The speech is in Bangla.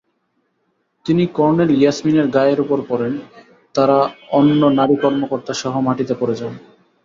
তিনি কর্নেল ইয়াসমিনের গায়ের ওপর পড়েন, তাঁরা অন্য নারী-কর্মকর্তাসহ মাটিতে পড়ে যান।